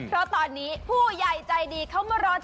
เพราะตอนนี้ผู้ใหญ่ใจดีเขามารอ